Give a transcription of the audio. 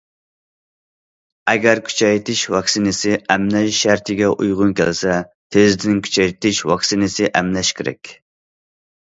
ئەگەر كۈچەيتىش ۋاكسىنىسى ئەملەش شەرتىگە ئۇيغۇن كەلسە، تېزدىن كۈچەيتىش ۋاكسىنىسى ئەملەش كېرەك.